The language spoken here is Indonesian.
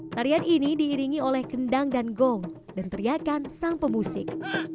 tarian ini diiringi oleh kendang dan gong dan teriakan sang pemusik